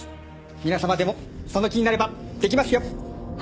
皆様でもその気になればできますよ。